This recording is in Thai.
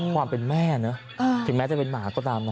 ความเป็นแม่นะถึงแม้จะเป็นหมาก็ตามนะ